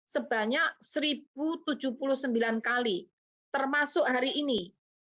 sebanyak satu tujuh puluh sembilan kali termasuk hari ini